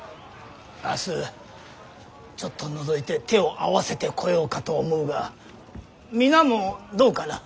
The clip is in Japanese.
明日ちょっとのぞいて手を合わせてこようかと思うが皆もどうかな。